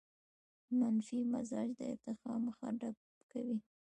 منفي مزاج د ارتقاء مخه ډب کوي.